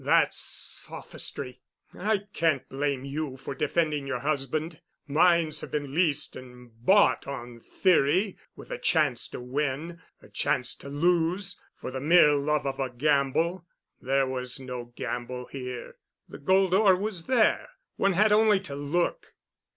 "That's sophistry. I can't blame you for defending your husband. Mines have been leased and bought on theory—with a chance to win, a chance to lose—for the mere love of a gamble. There was no gamble here. The gold ore was there—one had only to look.